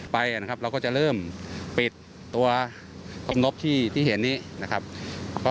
ไปนะครับเราก็จะเริ่มปิดตัวกล้อมนบที่เห็นนี้